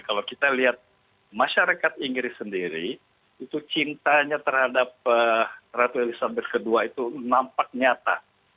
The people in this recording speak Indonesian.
kalau kita lihat masyarakat inggris sendiri itu cintanya terhadap ratu elizabeth ii itu nampak nyata